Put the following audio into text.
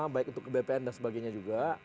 baik untuk bpn dan sebagainya juga